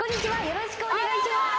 よろしくお願いします。